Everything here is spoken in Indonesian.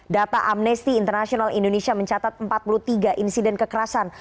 data amnesty international indonesia mencatat empat puluh tiga insiden kekerasan